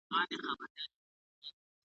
د ټاکنو کمیسیونونه د رایو ساتنه کوي.